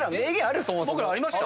僕らありました？